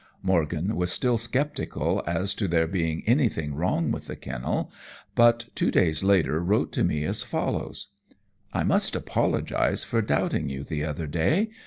Morgan was still sceptical as to there being anything wrong with the kennel, but two days later wrote to me as follows: "I must apologize for doubting you the other day.